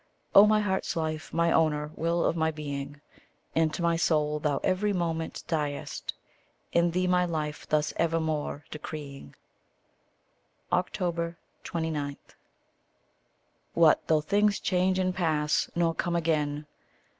Oh my heart's life, my owner, will of my being! Into my soul thou every moment diest, In thee my life thus evermore decreeing. 29. What though things change and pass, nor come again!